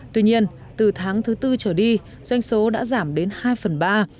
tuy nhiên từ tháng thứ tư trở đi doanh số đã giảm đến hai phần ba